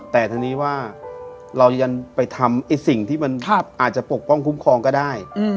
แต่ทีนี้ว่าเรายังไปทำไอ้สิ่งที่มันอาจจะปกป้องคุ้มครองก็ได้